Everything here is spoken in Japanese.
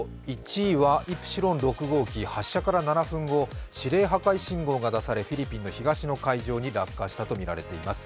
１位は「イプシロン６号機」発射から７分後、指令破壊信号が出されフィリピンの東の海上に落下したとみられています。